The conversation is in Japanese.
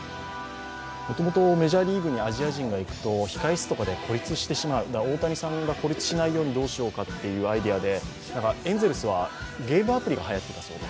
もともとメジャーリーグにアジア人とかが行くと控室とかで孤立してしまう大谷さんが孤立しないようにどうしようかっていうアイデアで、エンゼルスはゲームアプリがはやっていたそうで、